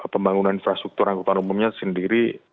pembangunan infrastruktur angkutan umumnya sendiri